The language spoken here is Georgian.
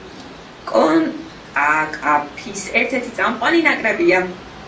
კონკაკაფის ერთ-ერთი წამყვანი ნაკრებია.